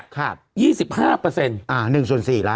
อ่า๑ชน๔ละ